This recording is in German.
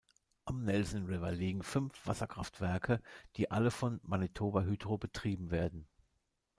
Am Nelson River liegen fünf Wasserkraftwerke, die alle von Manitoba Hydro betrieben werden.